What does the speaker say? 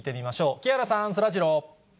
木原さん、そらジロー。